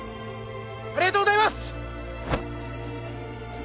ありがとうございます！